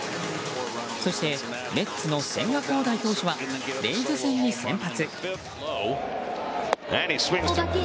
そして、メッツの千賀滉大投手はレイズ戦に先発。